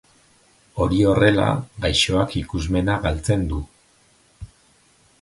Hori horrela, gaixoak ikusmena galtzen du.